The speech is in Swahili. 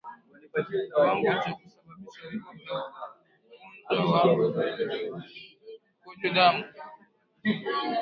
Kiwango cha kusababisha vifo kwa ugonjwa wa mkojo damu